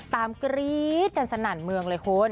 กรี๊ดกันสนั่นเมืองเลยคุณ